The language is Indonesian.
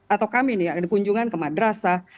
atau kami nih ya di kunjungan ke madrasah